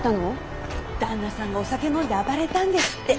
旦那さんがお酒飲んで暴れたんですって。